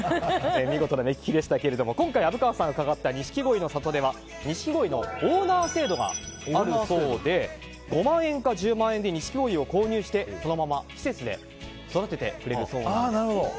見事な目利きでしたが今回、虻川さんが伺った錦鯉の里ではニシキゴイのオーナー制度があるそうで５万円か１０万円でニシキゴイを購入してそのまま施設で育ててくれるそうなんです。